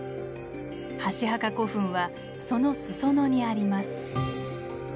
箸墓古墳はその裾野にあります。